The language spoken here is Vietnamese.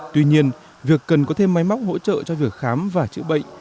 tuy nhiên việc cần có thêm máy móc hỗ trợ cho việc khám và chữa bệnh